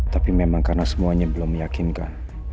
tapi memang karena semuanya belum meyakinkan